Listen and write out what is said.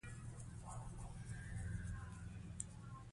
ماشومان د لوبو له لارې د مبارزې مهارتونه زده کوي.